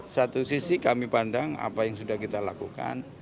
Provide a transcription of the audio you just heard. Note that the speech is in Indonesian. satu sisi kami pandang apa yang sudah kita lakukan